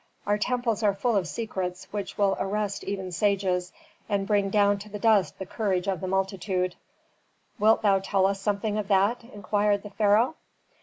Our temples are full of secrets which will arrest even sages, and bring down to the dust the courage of the multitude." "Wilt thou tell us something of that?" inquired the pharaoh.